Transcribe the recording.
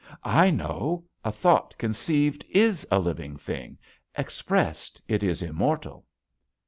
"I know. A thought conceived is a living thing. Expressed, it is immortal."